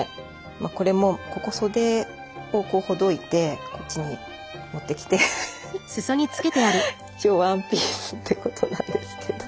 これもここ袖をほどいてこっちに持ってきて一応ワンピースってことなんですけど。